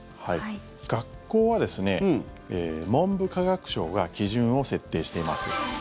学校は文部科学省が基準を設定しています。